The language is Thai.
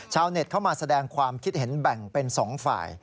เน็ตเข้ามาแสดงความคิดเห็นแบ่งเป็น๒ฝ่าย